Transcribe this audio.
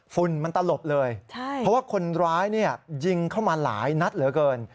ฝุ่นมันตลบเลยเพราะว่าคนร้ายเนี่ยยิงเข้ามาหลายนัดเหลือเกิน